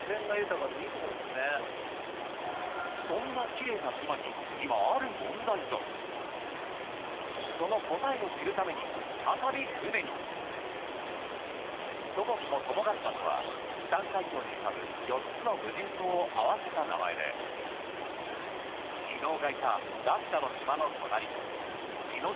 きれいな島に今ある問題がその答えを知るために再び船にそもそも友ヶ島とは紀淡海峡に浮かぶ４つの無人島を合わせた名前で伊野尾がいたラピュタの島の隣地ノ